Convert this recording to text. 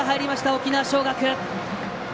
沖縄尚学。